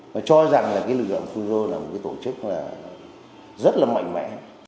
và cho rằng lực lượng của fungro là một tổ chức rất là mạnh mẽ